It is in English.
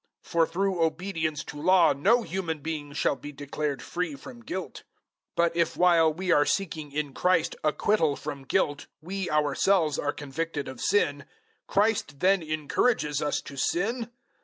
For through obedience to Law no human being shall be declared free from guilt. 002:017 But if while we are seeking in Christ acquittal from guilt we ourselves are convicted of sin, Christ then encourages us to sin!